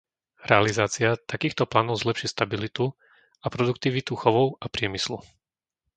Realizácia takýchto plánov zlepší stabilitu a produktivitu chovov a priemyslu.